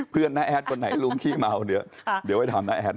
เพื่อนน้าแอดคนไหนลุงขี้เมาเดี๋ยวให้ถามน้าแอด